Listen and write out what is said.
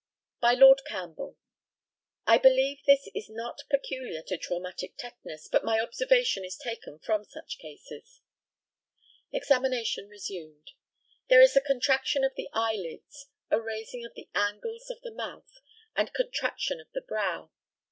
By LORD CAMPBELL: I believe this is not peculiar to traumatic tetanus, but my observation is taken from such cases. Examination resumed: There is a contraction of the eyelids, a raising of the angles of the mouth, and contraction of the brow.